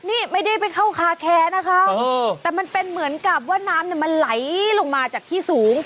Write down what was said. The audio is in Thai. นี่ไม่ได้ไปเข้าคาแคนะคะแต่มันเป็นเหมือนกับว่าน้ำมันไหลลงมาจากที่สูง